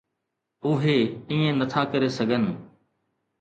اهي ائين نٿا ڪري سگهن.